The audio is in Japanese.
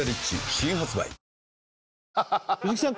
新発売藤木さん